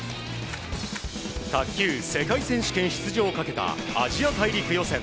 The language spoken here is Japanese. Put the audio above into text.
卓球世界選手権出場をかけたアジア大陸予選。